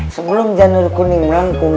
sebelum janur kuning melengkung